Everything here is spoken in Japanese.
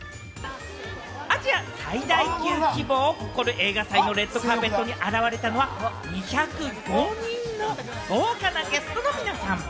アジア最大級規模を誇る映画祭のレッドカーペットに現れたのは、２０５人の豪華なゲストの皆さん。